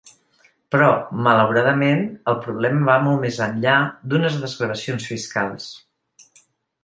Però, malauradament, el problema va molt més enllà d’unes desgravacions fiscals.